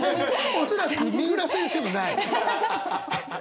恐らく三浦先生もない。